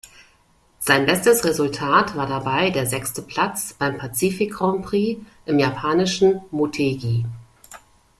Sein bestes Resultat war dabei der sechste Platz beim Pazifik-Grand Prix im japanischen Motegi.